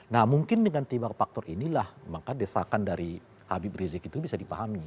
nah mungkin dengan tiba faktor inilah maka desakan dari habib rizik itu bisa dipahami